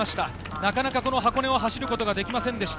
なかなか箱根を走ることができませんでした。